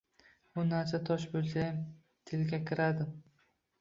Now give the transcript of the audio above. U narsa tosh bo‘lsayam tilga kiradi!